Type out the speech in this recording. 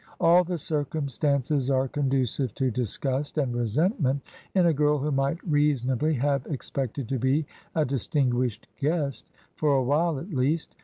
All the circumstances are conducive to disgust and resent ment in a girl who might reasonably have expected to be a distinguished guest for a while at least.